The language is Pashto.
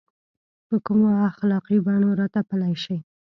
په کومو اخلاقي بڼو راتپلی شي.